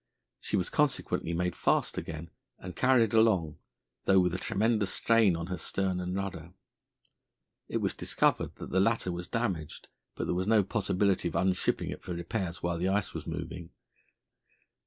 She was consequently made fast again and carried along, though with a tremendous strain on her stern and rudder. It was discovered that the latter was damaged, but there was no possibility of unshipping it for repairs while the ice was moving.